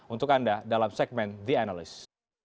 untuk anda dalam segmen the analyst